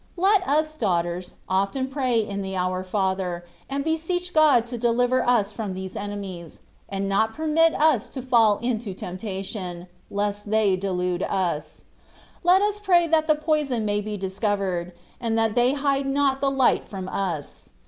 Let us, daughters, often pray in the " Our Father,'' and beseech God to deliver us from these enemies, and not permit us to fall into temptation, lest they delude us : let us pray that the poison may be discovered, and that they hide not the light from us.